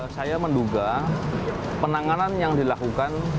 saya menduga penanganan yang dilakukan